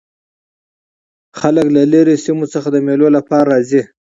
خلک له ليري سیمو څخه د مېلو له پاره راځي.